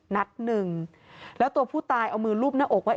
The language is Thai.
นัดหนึ่งแล้วตัวผู้ตายเอามือลูบหน้าอกว่า